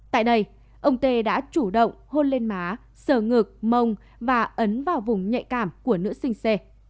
tại đây ông t đã chủ động hôn lên má sờ ngực mông và ấn vào vùng nhạy cảm của nữ sinh c